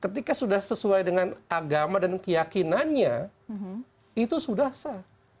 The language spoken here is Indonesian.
ketika sudah sesuai dengan agama dan keyakinannya itu sudah sah